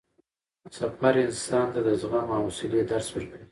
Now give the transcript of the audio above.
سفر انسان ته د زغم او حوصلې درس ورکوي